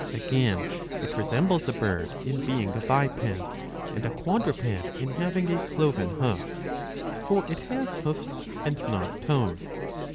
Again it resembles a bird in being a biped, and a quadruped in having a cloven hoof. For it has hoofs and not toes.